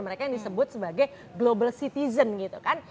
mereka yang disebut sebagai global citizen gitu kan